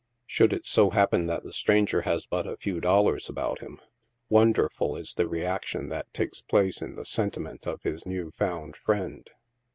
Should it so happen that the stranger has but a few dollars about him, wonderful is the reaction that takes place in the sentiment of his newly found friend.